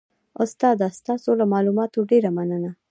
استاده ستاسو له معلوماتو ډیره مننه